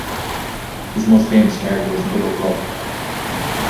His most famous character was Philo Gubb.